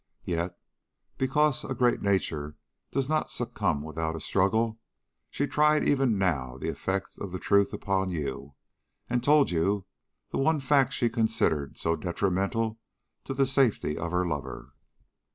Yet, because a great nature does not succumb without a struggle, she tried even now the effect of the truth upon you, and told you the one fact she considered so detrimental to the safety of her lover.